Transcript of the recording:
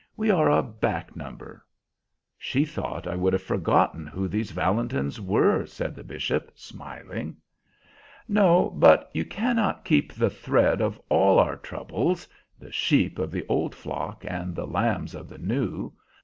We are a 'back number.'" "She thought I would have forgotten who these Valentins were," said the bishop, smiling. "No; but you cannot keep the thread of all our troubles the sheep of the old flock and the lambs of the new.